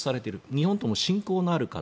日本とも親交のある方。